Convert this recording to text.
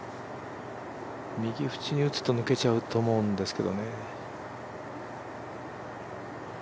右縁に打つと抜けちゃうんと思うんですけどね。